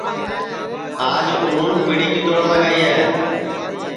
آج اُنون پیڑی کِتوڑ لگائی ہے